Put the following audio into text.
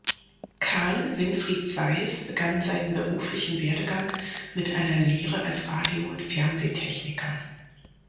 Karl-Winfried Seif begann seinen beruflichen Werdegang mit einer Lehre als Radio- und Fernsehtechniker.